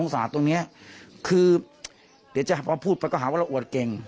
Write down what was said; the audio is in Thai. ศาสตร์ตรงนี้คือเดี๋ยวจะพอพูดไปก็หาว่าเราอวดเก่ง